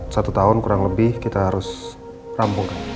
satu tahun kurang lebih kita harus rampungkan